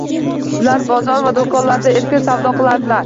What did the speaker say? Ular bozor va do'konlarda erkin savdo qiladilar